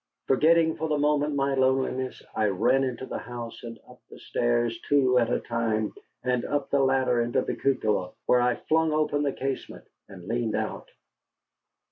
Forgetting for the moment my loneliness, I ran into the house and up the stairs two at a time, and up the ladder into the cupola, where I flung open the casement and leaned out.